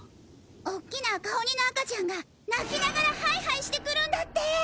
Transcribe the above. おっきな赤鬼の赤ちゃんが泣きながらハイハイしてくるんだって！